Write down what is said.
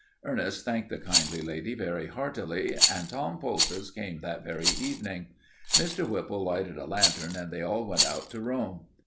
Ernest thanked the kind lady very heartily, and Tom Poultice came that very evening. Mr. Whipple lighted a lantern and they all went out to Rome.